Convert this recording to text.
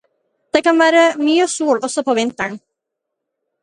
Det kan være mye sol også på vinteren.